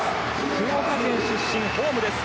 福岡県出身、ホームです。